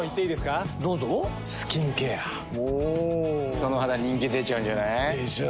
その肌人気出ちゃうんじゃない？でしょう。